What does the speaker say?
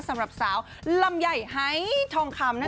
สำหรับสาวลำใหญ่ไฮทองคำนั่นเองฮะ